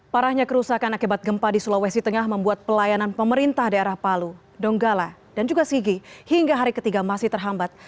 parahnya kerusakan akibat gempa di sulawesi tengah membuat pelayanan pemerintah daerah palu donggala dan juga sigi hingga hari ketiga masih terhambat